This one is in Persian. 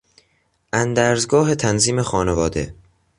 اندرزگاه تنظیم خانواده